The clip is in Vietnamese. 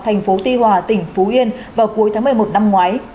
thành phố tuy hòa tỉnh phú yên vào cuối tháng một mươi một năm ngoái